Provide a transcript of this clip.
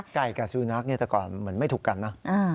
กับสุนัขแต่ก่อนเหมือนไม่ถูกกันนะ